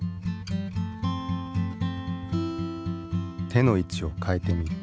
手の位置を変えてみる。